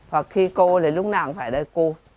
hoặc khi cô thì lúc nào cũng phải đây cô